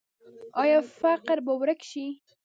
آیا فقر به ورک شي؟